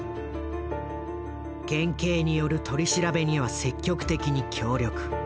県警による取り調べには積極的に協力。